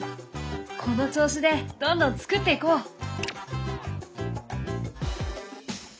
この調子でどんどん作っていこう！